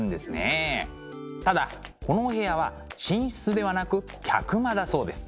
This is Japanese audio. ただこのお部屋は寝室ではなく客間だそうです。